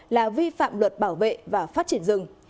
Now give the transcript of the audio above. là vi phạm luật bảo vệ và phát triển rừng